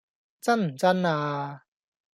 真唔真呀